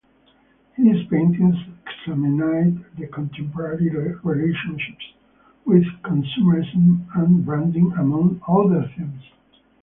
His paintings examine the contemporary relationship with consumerism and branding among other themes.